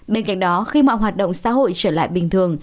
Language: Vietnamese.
bên cạnh đó khi mọi hoạt động xã hội trở lại bình thường